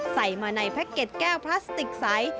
ใส่มาในแพ็กเก็ตแก้วพลาสติกใส